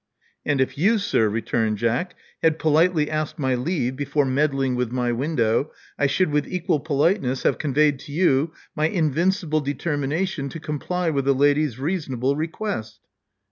And if you, sir," returned Jack, '*had politely asked my leave before meddling with my window, I should, with equal politeness, have conveyed to you my invincible determination to comply with the lady's reasonable request."